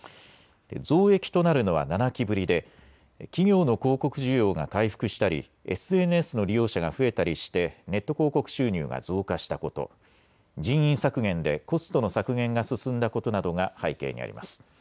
増益となるのは７期ぶりで企業の広告需要が回復したりＳＮＳの利用者が増えたりしてネット広告収入が増加したこと、人員削減でコストの削減が進んだことなどが背景にあります。